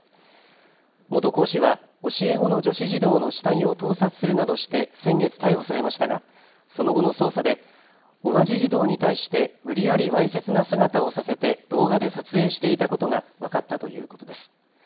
元講師は教え子の女子児童の下着を盗撮するなどして先月逮捕されましたがその後の捜査で同じ児童に対して無理やりわいせつな姿をさせて動画で撮影していたことが分かったということです。